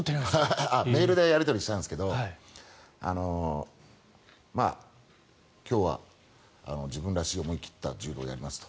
メールでやり取りしたんですけど今日は自分らしい思い切った柔道をやりますと。